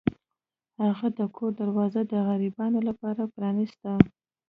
هغه د کور دروازه د غریبانو لپاره پرانیسته.